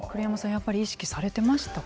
やっぱり意識されていましたか。